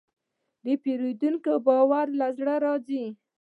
د پیرودونکي باور له زړه راځي.